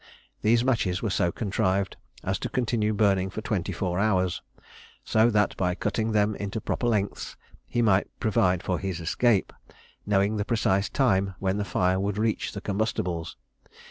These matches were so contrived as to continue burning for twenty four hours, so that by cutting them into proper lengths he might provide for his escape, knowing the precise time when the fire would reach the combustibles.